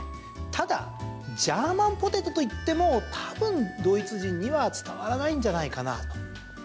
ただジャーマンポテトといっても多分、ドイツ人には伝わらないんじゃないかなと。